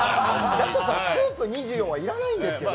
だとしたらスープ２４は要らないんですけど。